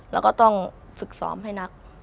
แล้วก็ต้องฝึกซ้อมให้นัก